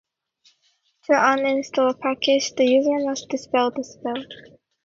To uninstall a package the user must "dispel" the spell.